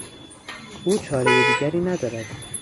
او چارهی دیگری ندارد.